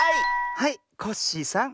はいコッシーさん。